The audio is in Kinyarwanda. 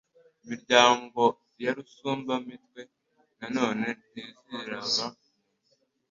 Iminyago ya Rusumba-mitwe, Na none ntizirava inyuma